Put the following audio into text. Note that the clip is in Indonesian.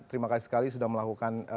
terima kasih sekali sudah melakukan